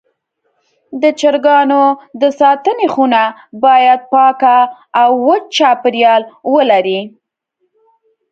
د چرګانو د ساتنې خونه باید پاکه او وچ چاپېریال ولري.